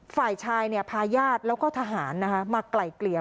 ฝ่ายชายพาญาติแล้วก็ทหารมาไกล่เกลี่ย